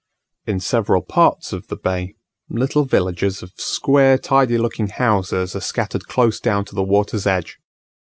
In several parts of the bay, little villages of square tidy looking houses are scattered close down to the water's edge.